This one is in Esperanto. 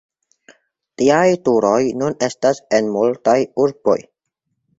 Tiaj turoj nun estas en multaj urboj.